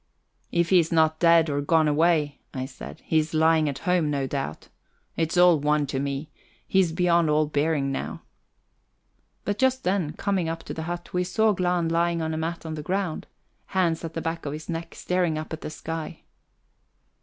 "If he's not dead, or gone away," I said, "he's lying at home, no doubt. It's all one to me. He's beyond all bearing now." But just then, coming up to the hut, we saw Glahn lying on a mat on the ground, hands at the back of his neck, staring up at the sky.